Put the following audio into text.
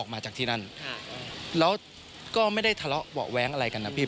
แล้วก็ไม่ได้ทะเลาะเบาะแว้งอะไรกันนะพี่